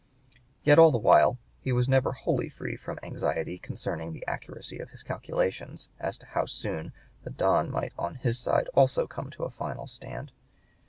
Yet all the while he was never wholly free from anxiety concerning the accuracy of his calculations as to how soon the Don might on his side also come to a final stand.